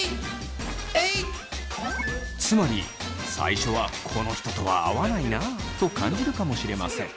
つまり最初はこの人とは合わないなと感じるかもしれません。